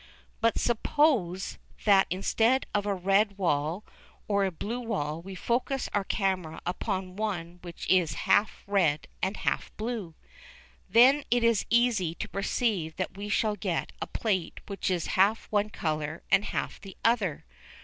But suppose that instead of a red wall or a blue wall we focus our camera upon one which is half red and half blue. Then it is easy to perceive that we shall get a plate which is half one colour and half the other.